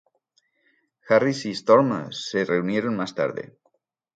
Harris y Storm se reunieron más tarde.